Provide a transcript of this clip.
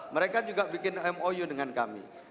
mereka juga bikin mou dengan kami